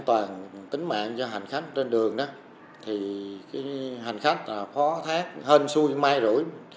tính mạng cho hành khách trên đường hành khách là phó thác hên xui mai rủi